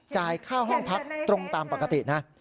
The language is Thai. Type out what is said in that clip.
จ่ายค่าห้องพักตรงตามปกตินะ